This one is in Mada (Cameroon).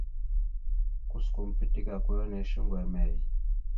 Kuskom pitike ako hinne shuŋgo emey ?